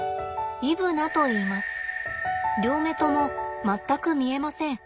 両目とも全く見えません。